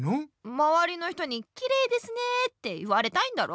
まわりの人にきれいですねって言われたいんだろ。